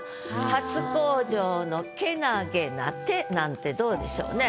「初口上の健気な手」なんてどうでしょうね。